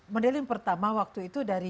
medali pertama waktu itu dari